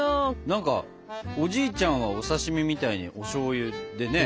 何かおじいちゃんはお刺身みたいにおしょうゆでね